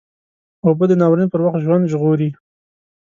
اوبه د ناورین پر وخت ژوند ژغوري